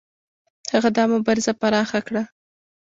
هغه دا مبارزه پراخه کړه.